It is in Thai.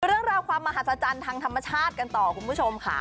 เรื่องราวความมหัศจรรย์ทางธรรมชาติกันต่อคุณผู้ชมค่ะ